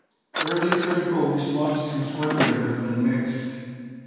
Early critical response to Swindler has been mixed.